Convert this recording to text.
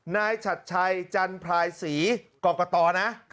ฉัดชัยจันพรายศรีกรกตนะ